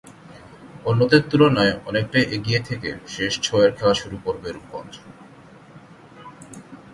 অন্যদের তুলনায় অনেকটাই এগিয়ে থেকে শেষ ছয়ের খেলা শুরু করবে রূপগঞ্জ।